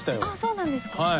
あぁそうなんですか。